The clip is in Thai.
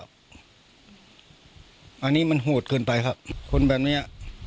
อันนี้มันโหดเกินไปครับคนแบบนี้